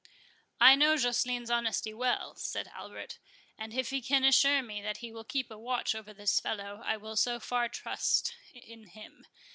"I know Joceline's honesty well," said Albert; "and if he can assure me that he will keep a watch over this fellow, I will so far trust in him.